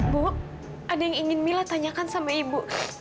bu ada yang ingin mila tanyakan sama ibu